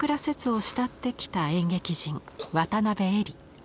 摂を慕ってきた演劇人渡辺えり。